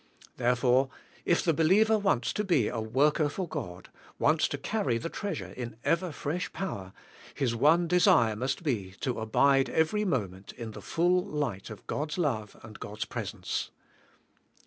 Therefore, if the believer wants to be a worker for God, wants to carry the treasure, in ever fresh power, his one desire must be, to abide every moment, in the full lig"ht of God's love and God's presence.